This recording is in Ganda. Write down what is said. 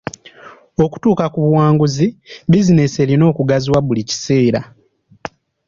Okutuuka ku buwanguzi, bizinensi erina okugaziwa buli kiseera.